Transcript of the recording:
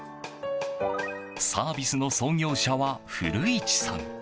サービスの創業者は古市さん。